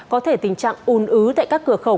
có thể tình trạng ùn ứ tại các cửa khẩu